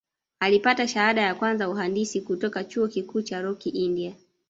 Alipata shahada ya kwanza uhandisi kutoka Chuo Kikuu cha Rokii India